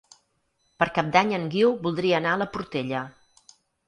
Per Cap d'Any en Guiu voldria anar a la Portella.